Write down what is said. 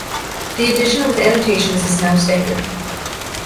The edition with annotations is now standard.